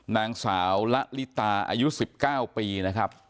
นางสาวละลิตาอายุ๑๙ปีนะครับ